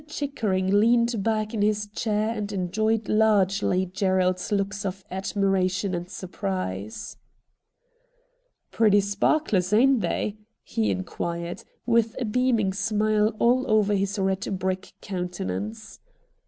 Chickering leaned back in his chair and enjoyed largely Gerald's looks of admira tion and surprise. ' Pretty sparklers, ain't they ?' he inquired, with a beaming smile all over his red brick countenance.